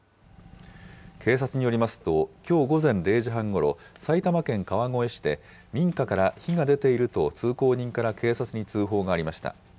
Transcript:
警察によりますと、きょう午前０時半ごろ、埼玉県川越市で、民家から火が出ていると通行人から警察に通報がありました。